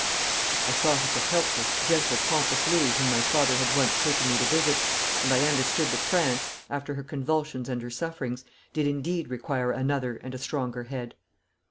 I thought of the helpless, gentle, pompous Louis whom my father had once taken me to visit, and I understood that France, after her convulsions and her sufferings, did indeed require another and a stronger head.